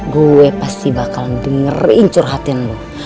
gue pasti bakal ngeri incur hati lo